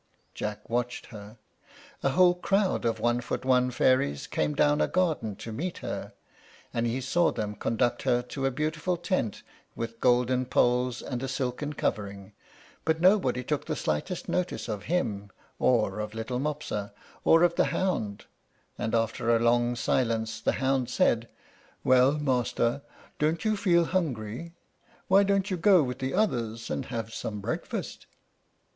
Jack watched her. A whole crowd of one foot one fairies came down a garden to meet her, and he saw them conduct her to a beautiful tent, with golden poles and a silken covering; but nobody took the slightest notice of him, or of little Mopsa, or of the hound, and after a long silence the hound said, "Well, master, don't you feel hungry? Why don't you go with the others and have some breakfast?"